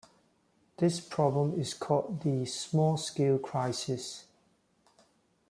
This problem is called the "small scale crisis".